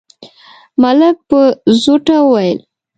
ملک په زوټه وويل: